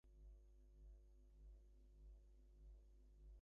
Visit the Columbia State transfer webpage to learn more.